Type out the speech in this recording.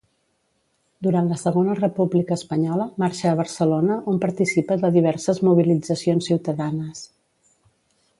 Durant la Segona República espanyola marxa a Barcelona on participa de diverses mobilitzacions ciutadanes.